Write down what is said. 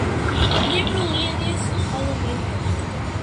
Li bruligis alumeton.